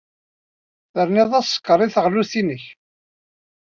Ternid-as sskeṛ i teɣlust-nnek.